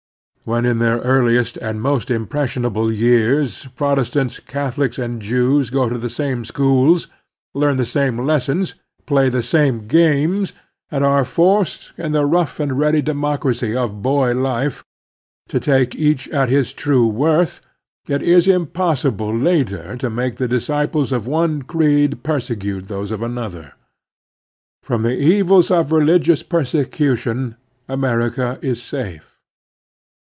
5 65 66 The Strenuous Life When in their earliest and most impressionable years Protestants, Catholics, and Jews go to the same schools, leam the same lessons, play the same games, and are forced, in the rough and ready democracy of boy life, to take each at his true worth, it is impossible later to make the disciples of one creed persecute those of another. From the evils of religious persecution America is safe.